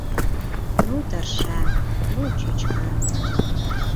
Ну тырша, ну чӱчка.